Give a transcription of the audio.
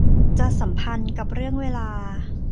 จะสัมพันธ์กับเรื่องเวลา